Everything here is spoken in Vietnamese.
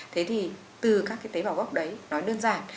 thế thì từ các cái tế bào gốc đấy nói đơn giản